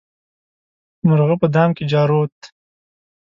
مرغه په دام کې جارووت.